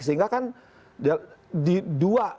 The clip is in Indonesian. sehingga kan di dua